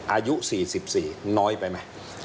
อายุ๔๔น้อยไปไหม